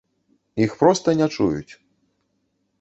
Іх проста не чуюць.